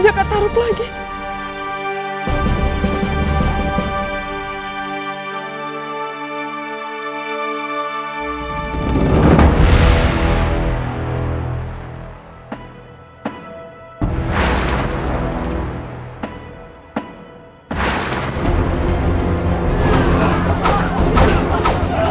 lagi dia setelah meletihkan ukerna